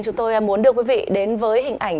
chúng tôi muốn đưa quý vị đến với hình ảnh